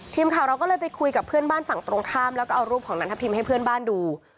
ทีมข่าวเราก็เลยไปคุยกับเพื่อนบ้านฝั่งตรงข้ามแล้วก็เอารูปของนันทพิมให้เพื่อนบ้านดู